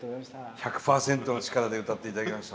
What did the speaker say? １００％の力で歌って頂きました。